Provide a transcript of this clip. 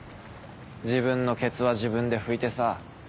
自分のケツは自分で拭いてさ。